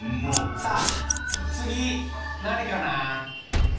さあつぎなにかな？